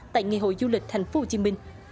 tại ngày hội du lịch thành phố hồ chí minh